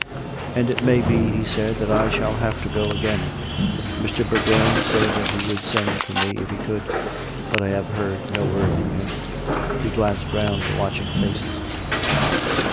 " And it may be," he said, " that I shall have to go again. Mr. Eourgoign said that he would send to me if he could. But I have heard no word from him." (He glanced round the watching faces.)